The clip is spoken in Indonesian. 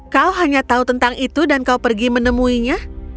kau hanya tahu tentang itu dan kau pergi menemuinya